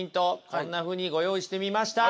こんなふうにご用意してみました！